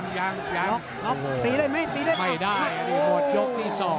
ไม่ได้ตีหมดยกที่สอง